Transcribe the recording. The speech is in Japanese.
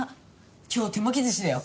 今日手巻き寿司だよ。